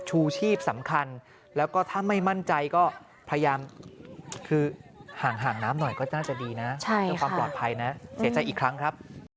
ชูชีพสำคัญแล้วก็ถ้าไม่มั่นใจก็พยายามคือห่างน้ำหน่อยก็น่าจะดีนะเพื่อความปลอดภัยนะเสียใจอีกครั้งครับ